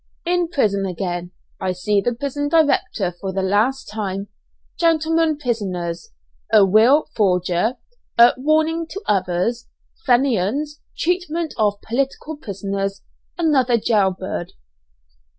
IN PRISON AGAIN I SEE THE PRISON DIRECTOR FOR THE LAST TIME GENTLEMEN PRISONERS A WILL FORGER A "WARNING TO OTHERS" FENIANS TREATMENT OF POLITICAL PRISONERS ANOTHER JAILBIRD.